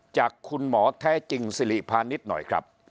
จากคุณหมอแท้จริงสิริพานิดหน่อย